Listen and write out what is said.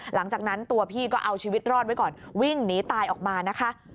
หลังจากนั้นตัวพี่ก็เอาชีวิตรอดไว้ก่อนวิ่งหนีตายออกมานะคะ